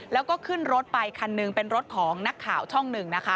แล้วก็ขึ้นรถไปคันหนึ่งเป็นรถของนักข่าวช่องหนึ่งนะคะ